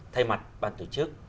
thay mặt ban tổ chức